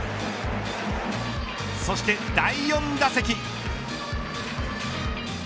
そして第４打席。